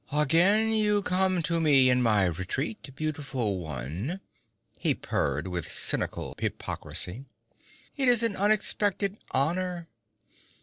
'Again you come to me in my retreat, beautiful one,' he purred with cynical hypocrisy. 'It is an unexpected honor.